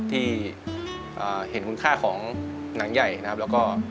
ที่เห็นคุณค่าของหนังใหญ่นะครับแล้วก็